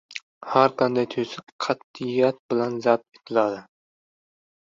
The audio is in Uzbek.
Har qanday to‘siq qat’iyat bilan zabt etiladi.